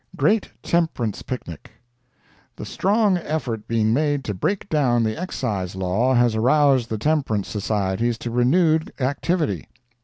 GREAT TEMPERANCE PICNIC The strong effort being made to break down the Excise law has aroused the temperance societies to renewed activity.